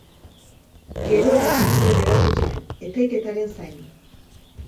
Gerora libre geratu ziren, epaiketaren zain.